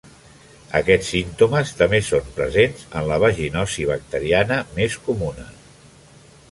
Aquests símptomes també són presents en la vaginosi bacteriana més comuna.